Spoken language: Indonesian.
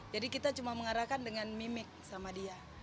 jadi kita cuma mengarahkan dengan mimik sama dia